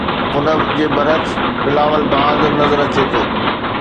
ان جي برعڪس بلاول بهادر نظر اچي ٿو.